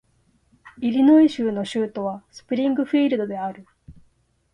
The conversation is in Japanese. イリノイ州の州都はスプリングフィールドである